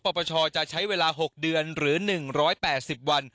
ปปชจะใช้เวลา๖เดือนหรือ๑๘๐วัน